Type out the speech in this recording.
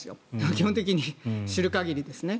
基本的に、知る限りですね。